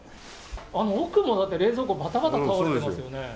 あの奥もだって、冷蔵庫ばたばた倒れてますよね。